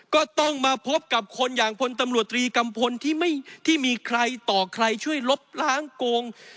ก็ต้องมาพบกับคนอย่างพลตำรวจตรีกัมพลที่มีใครต่อใครช่วยลบล้างโกง